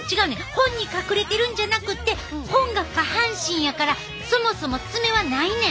本に隠れてるんじゃなくて本が下半身やからそもそも爪はないねん。